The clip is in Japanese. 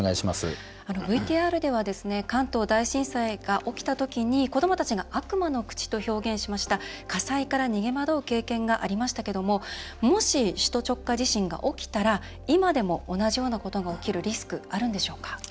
ＶＴＲではですね関東大震災が起きた時に子どもたちが悪魔の口と表現しました火災から逃げ惑う経験がありましたけどももし、首都直下地震が起きたら今でも同じようなことが起きるリスクあるんでしょうか？